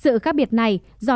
sự khác biệt này do